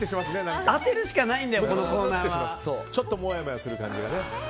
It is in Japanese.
ちょっともやもやする感じがね。